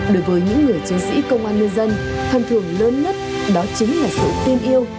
đối với những người chiến sĩ công an nhân dân phần thường lớn nhất đó chính là sự tin yêu